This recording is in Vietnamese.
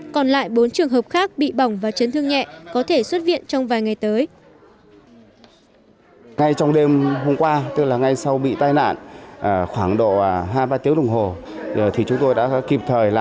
còn lại bốn trường hợp khác bị bỏng và chấn thương nhẹ có thể xuất viện trong vài ngày tới